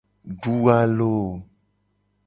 Du alo.